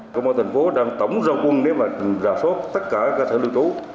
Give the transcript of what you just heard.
công an thành phố đang tổng giao quân để rào sốt tất cả các cơ sở lưu trú